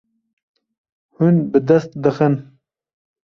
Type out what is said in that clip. Hûn bi dest dixin.